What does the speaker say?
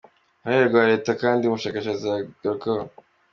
Uruhare rwa Leta kandi umushakashatsi arugarukaho.